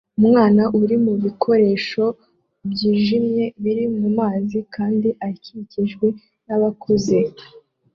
Umwana uri mubikoresho byijimye biri mumazi kandi akikijwe nabakuze